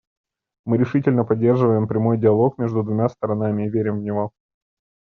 Мы решительно поддерживаем прямой диалог между двумя сторонами и верим в него.